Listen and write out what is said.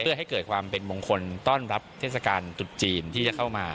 เพื่อให้เกิดความเป็นมงคลต้อนรับเทศกาลตุดจีนที่จะเข้ามา